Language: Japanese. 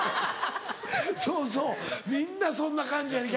そうそうみんなそんな感じやね